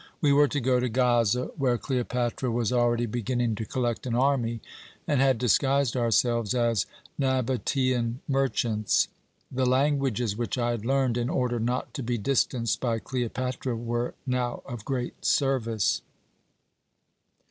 We were to go to Gaza, where Cleopatra was already beginning to collect an army, and had disguised ourselves as Nabatæan merchants. The languages which I had learned, in order not to be distanced by Cleopatra, were now of great service.